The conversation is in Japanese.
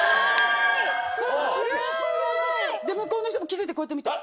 向こうの人も気付いてこうやって見て。